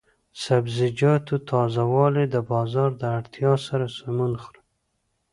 د سبزیجاتو تازه والي د بازار د اړتیا سره سمون خوري.